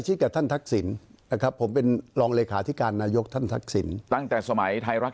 ชื่อแค่แท่นทักสินขาผมเป็นลองเลขาธิการนายกทันทักสินตั้งแต่สมัยไทรรัก